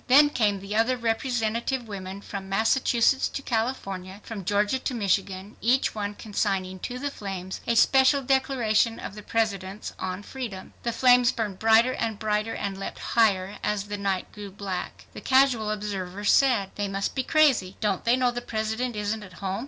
Then came the other representative women, from Massachusetts to California, from Georgia to Michigan, each one consigning to the flames a special declaration of the President's on freedom. The flames burned brighter and brighter and leapt higher as the night grew black. The casual observer said, "They must be crazy. Don't they know the President isn't at home?